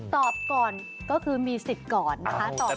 ตอบก่อนก็คือมีสิทธิ์ก่อนนะคะ